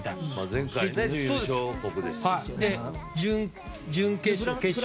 前回、準優勝国ですし。